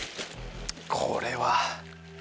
これは。